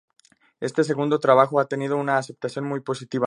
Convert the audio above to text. Este segundo trabajo ha tenido una aceptación muy positiva.